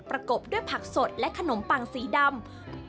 กบด้วยผักสดและขนมปังสีดำ